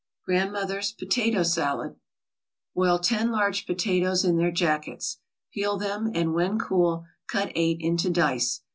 GRANDMOTHER'S POTATO SALAD Boil ten large potatoes in their jackets. Peel them and, when cool, cut eight into dice.